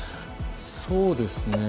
そうですね。